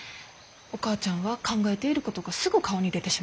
お母ちゃんは考えていることがすぐ顔に出てしまう。